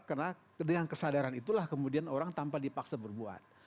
karena dengan kesadaran itulah kemudian orang tanpa dipaksa berbuat